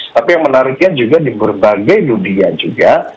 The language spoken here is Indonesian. tapi yang menariknya juga di berbagai dunia juga